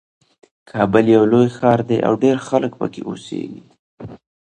کابل یو لوی ښار ده او ډېر خلک پکې اوسیږي